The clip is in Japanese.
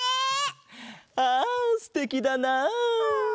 ああすてきだな。